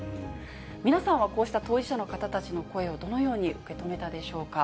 皆さんはこうした当事者の方たちの声をどのように受け止めたでしょうか。